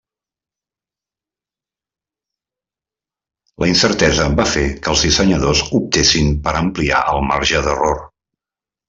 La incertesa va fer que els dissenyadors optessin per ampliar el marge d’error.